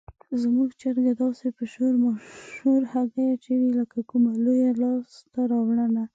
زموږ چرګه داسې په شور ماشور هګۍ اچوي لکه کومه لویه لاسته راوړنه.